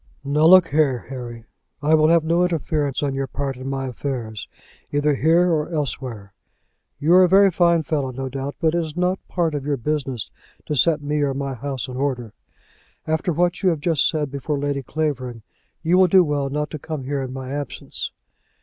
"Now look here, Harry, I will have no interference on your part in my affairs, either here or elsewhere. You are a very fine fellow, no doubt, but it is not part of your business to set me or my house in order. After what you have just said before Lady Clavering you will do well not to come here in my absence."